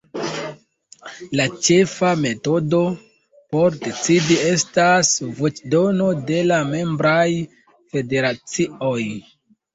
La ĉefa metodo por decidi estas voĉdono de la membraj federacioj.